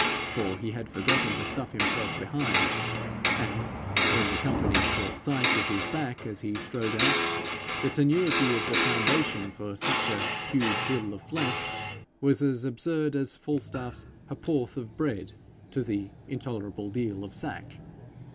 For he had forgotten to stuff himself behind, and, when the company caught sight of his back as he strode out, the tenuity of the foundation for such a 'huge hill of flesh' was absurd as Falstaff's ha'p'orth of bread to the 'intolerable deal of sack.'